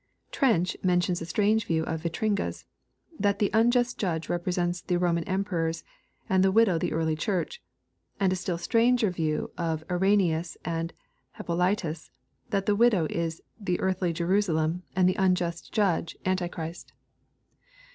Trench mentions a strange view of Vitringa's, that the unjust judge represents the Roman Emperors, and the widow the early Church; — and a still stranger view of Irenaeus and Hippolytus, that the widow is the earthly Jerusalem, and the unjust judjr* antichricJt.